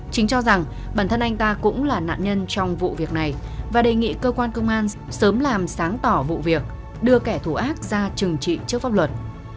chính cho rằng bản thân anh ta cũng là nạn nhân trong vụ việc này và đề nghị cơ quan công an sớm làm sáng tỏ vụ việc đưa kẻ thù ác ra trừng trị trước pháp luật